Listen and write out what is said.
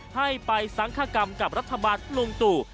ให้ไปสังคกรรมกับรัฐบาลลุงตู่